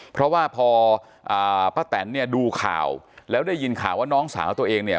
เพราะว่าพอป้าแตนเนี่ยดูข่าวแล้วได้ยินข่าวว่าน้องสาวตัวเองเนี่ย